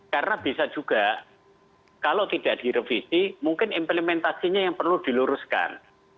karena bisa juga kalau tidak direvisi mungkin implementasinya yang perlu diluruskan